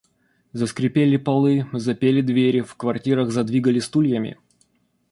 Заскрипели полы, запели двери, в квартирах задвигали стульями.